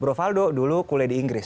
bro valdo dulu kuliah di inggris